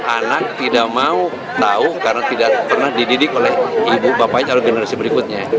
anak tidak mau tahu karena tidak pernah dididik oleh ibu bapaknya adalah generasi berikutnya